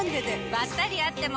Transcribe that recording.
ばったり会っても。